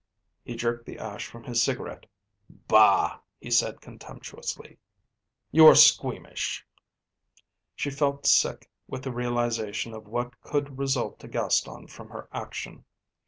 He jerked the ash from his cigarette. "Bah!" he said contemptuously. "You are squeamish." She felt sick with the realisation of what could result to Gaston from her action.